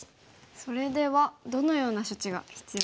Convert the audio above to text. それではどのような処置が必要ですか？